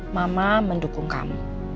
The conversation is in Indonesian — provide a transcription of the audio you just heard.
mama mendukung kamu